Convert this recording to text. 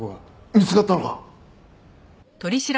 見つかったのか？